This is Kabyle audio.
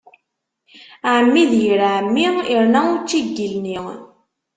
Ɛemmi d yir ɛemmi, irna učči n yilni.